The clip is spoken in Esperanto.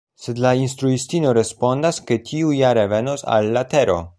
Sed la instruistino respondas ke tiu ja revenos al la tero.